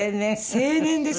青年です。